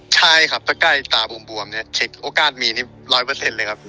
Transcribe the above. ใช่ครับใกล้ตาบวมเนี่ยเช็คโอกาสมีนี่ร้อยเปอร์เซ็นต์เลยครับ